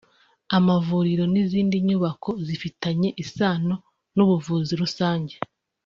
amavuriro n’izindi nyubako zifitanye isano n’ubuvuzi rusange